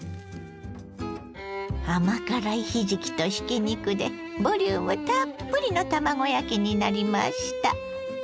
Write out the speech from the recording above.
甘辛いひじきとひき肉でボリュームたっぷりの卵焼きになりました。